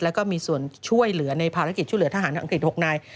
แล้วก็มีส่วนช่วยเหลือในภารกิจช่วยเหลือทหารทางอังกฤษ๖นาย